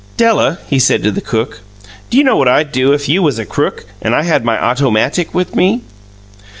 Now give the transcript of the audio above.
"Della," he said to the cook, "do you know what I'd do if you was a crook and I had my ottomatic with me?"